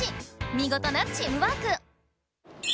みごとなチームワーク！